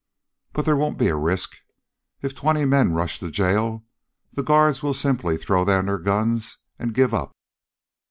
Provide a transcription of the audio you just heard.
But there won't be a risk. If twenty men rush the jail, the guards will simply throw down their guns and give up."